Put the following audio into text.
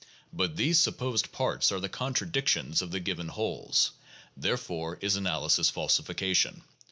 But these supposed parts are the contradictions of the given wholes. Therefore is analysis falsification.